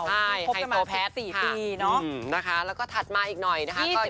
แล้วกับแฟนกล่าวพบกันมา๒๔ปีแล้วก็ถัดมาอีกหน่อย